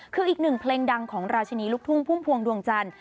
คืออีกหนึ่งเพลงดังของราชินีลูกทุ่งพุ่มพวงดวงจันทร์